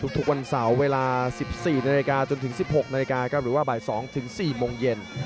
ทุกวันเสาร์เวลา๑๔นาฬิกาจนถึง๑๖นาฬิกาหรือว่าบ่าย๒ถึง๔โมงเย็น